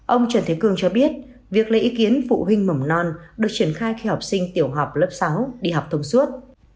ông trần thế cường cho biết việc lấy ý kiến phụ huynh mầm non được triển khai khi học sinh tiểu học lớp sáu đi học thông suốt